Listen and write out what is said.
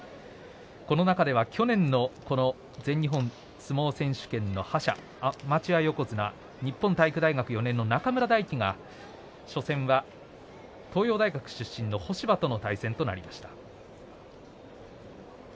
この中では去年の全日本相撲選手権の覇者アマチュア横綱日本体育大学４年の中村泰輝が初戦は東洋大学出身の干場との対戦となりました。